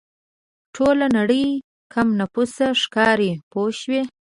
ټوله نړۍ کم نفوسه ښکاري پوه شوې!.